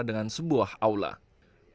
pada saat ini musola berubah menjadi sebuah awla